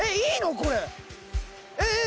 これえっ？